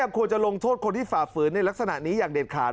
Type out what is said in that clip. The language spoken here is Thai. ควรจะลงโทษคนที่ฝ่าฝืนในลักษณะนี้อย่างเด็ดขาด